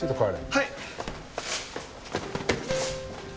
はい！